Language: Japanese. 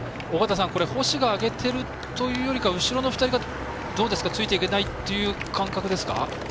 尾方さん星が上げてるというよりかは後ろの２人がついていけないっていう感覚ですか？